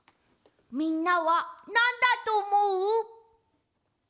みんなはなんだとおもう？